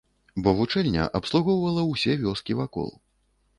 Бо вучэльня абслугоўвала ўсе вёскі вакол.